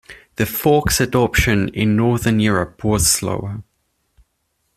The fork's adoption in northern Europe was slower.